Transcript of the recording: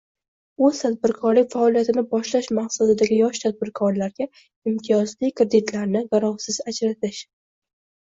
O‘z tadbirkorlik faoliyatini boshlash maqsadidagi yosh tadbirkorlarga imtiyozli kreditlarni garovsiz ajratish